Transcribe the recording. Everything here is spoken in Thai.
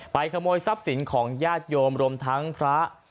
ขโมยทรัพย์สินของญาติโยมรวมทั้งพระ